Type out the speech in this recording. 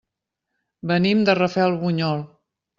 Venim de Rafelbunyol.